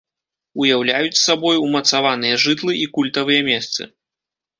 Уяўляюць сабой умацаваныя жытлы і культавыя месцы.